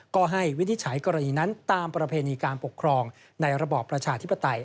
ก็ให้วินิจฉัยกรณีนั้นตามประเพณีการปกครองในระบอบประชาธิปไตย